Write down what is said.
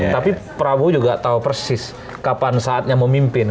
tapi prabowo juga tahu persis kapan saatnya memimpin